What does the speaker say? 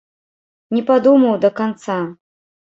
Не падумаў да канца.